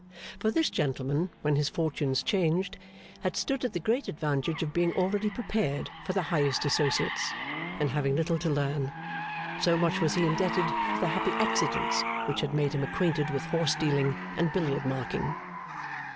For this gentleman, when his fortunes changed, had stood at the great advantage of being already prepared for the highest associates, and having little to learn: so much was he indebted to the happy accidents which had made him acquainted with horse dealing and billiard marking.